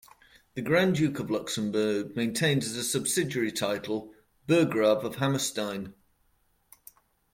The Grand Duke of Luxembourg maintains as a subsidiary title "Burgrave of Hammerstein".